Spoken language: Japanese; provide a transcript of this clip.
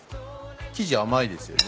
生地甘いですよね。